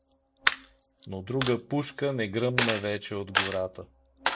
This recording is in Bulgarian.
Но друга пушка не гръмна вече от гората.